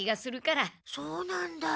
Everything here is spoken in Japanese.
そうなんだ。